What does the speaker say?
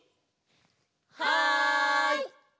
はい！